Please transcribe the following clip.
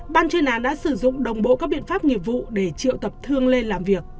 ban chuyên án đã sử dụng đồng bộ các biện pháp nghiệp vụ để triệu tập thương lên làm việc